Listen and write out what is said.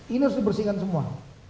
ini harus dibersihkan semua